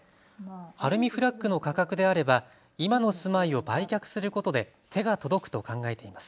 晴海フラッグの価格であれば今の住まいを売却することで手が届くと考えています。